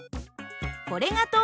これが等